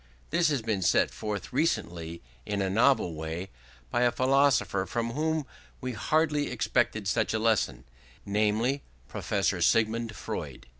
This has been set forth recently, in a novel way, by a philosopher from whom we hardly expected such a lesson, namely Professor Sigmund Freud.